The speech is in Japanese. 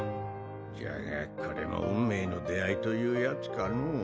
じゃがこれも運命の出会いというやつかのう。